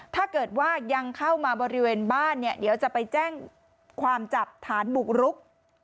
ถ้าเกิดว่ายังเข้ามาบริเวณบ้านเนี่ยเดี๋ยวจะไปแจ้งความจับฐานบุกรุก